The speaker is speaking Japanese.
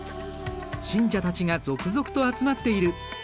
信者たちが続々と集まっている。